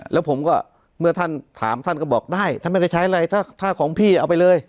แล้วผมก็เมื่อท่านถามท่านก็บอกได้ท่านไม่ได้ใช้อะไรถ้าของพี่เอาไปเลย